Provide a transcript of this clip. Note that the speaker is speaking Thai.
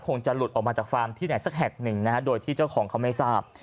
คงจะหลุดออกมาจากฟาร์มที่ไหนสักแห่งหนึ่งนะฮะโดยที่เจ้าของเขาไม่ทราบ